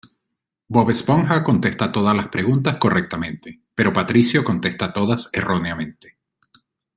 Bob Esponja contesta todas las preguntas correctamente, pero Patricio contesta todas erróneamente.